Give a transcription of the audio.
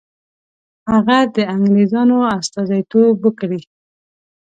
هغه د انګرېزانو استازیتوب وکړي.